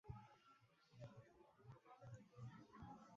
ती भाकरी थापते.